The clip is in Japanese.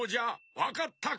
わかったか？